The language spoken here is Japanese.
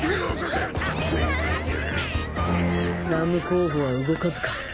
ＲＵＭ 候補は動かずか